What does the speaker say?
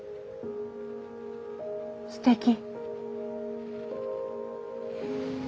すてき。